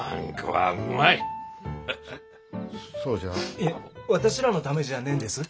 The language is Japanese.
いえ私らのためじゃねえんです。